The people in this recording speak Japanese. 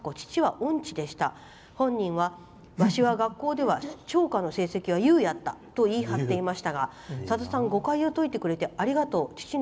本人はわしは学校では歌の成績は優やったと言い張っていましたがさださん、誤解を解いてくれてありがとう。